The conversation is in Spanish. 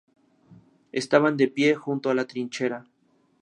Estaban de pie junto a la trinchera.